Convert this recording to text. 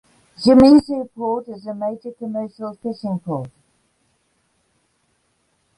Shimizu Port is a major commercial fishing port.